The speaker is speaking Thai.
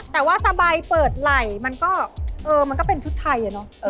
แต่ว่าสบายเปิดไหลมันก็เป็นชุดไทย